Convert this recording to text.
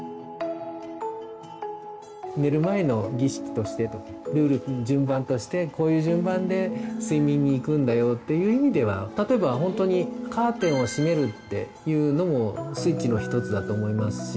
寝る前の儀式としてルール順番としてこういう順番で睡眠にいくんだよっていう意味では例えばほんとにカーテンをしめるっていうのもスイッチの一つだと思いますし。